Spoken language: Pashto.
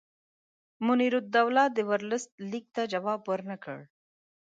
منیرالدوله د ورلسټ لیک ته جواب ورنه کړ.